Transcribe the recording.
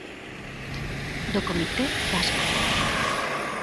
Do comité vasco.